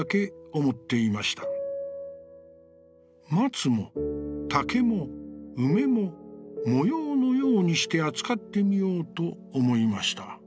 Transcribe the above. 「松も竹も梅も模様のようにして扱ってみようと思いました」。